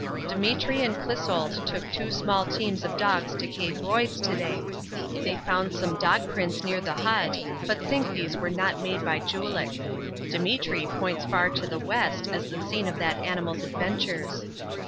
Demetri and Clissold took two small teams of dogs to Cape Royds to day. They found some dog footprints near the hut, but think these were not made by Julick. Demetri points far to the west as the scene of that animal's adventures.